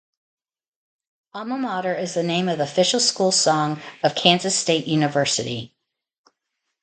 "Alma Mater" is the name of the official school song of Kansas State University.